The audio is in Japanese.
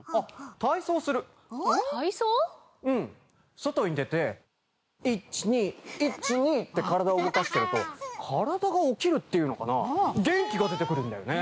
外に出ていちにいちにって体を動かしてると体が起きるっていうのかな元気が出てくるんだよね。